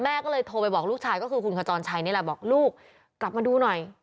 ก็เลยโทรไปบอกลูกชายก็คือคุณขจรชัยนี่แหละบอกลูกกลับมาดูหน่อย